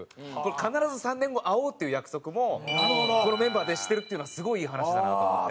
必ず３年後会おうっていう約束もこのメンバーでしてるっていうのはすごいいい話だなと思って。